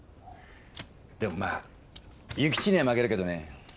でもまあ諭吉には負けるけどね。